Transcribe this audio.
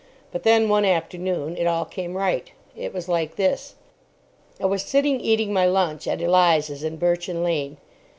But then one afternoon it all came right. It was like this. I was sitting eating my lunch at Eliza's in Birchin Lane.